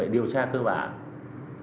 điều tra cơ bản